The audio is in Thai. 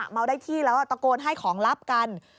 เมาได้ที่แล้วตะโกนให้ของลับกัน